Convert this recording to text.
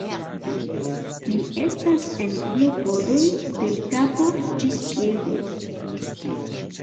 Li estas en klopodoj de l' kapo ĝis piedoj.